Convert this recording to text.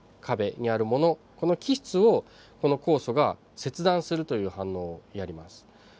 この基質をこの酵素が切断するという反応をやります。